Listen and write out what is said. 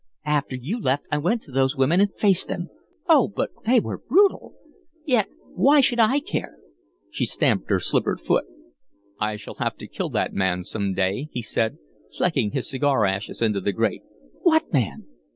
After you left, I went to those women and faced them. Oh, but they were brutal? Yet, why should I care?" She stamped her slippered foot. "I shall have to kill that man some day," he said, flecking his cigar ashes into the grate. "What man?"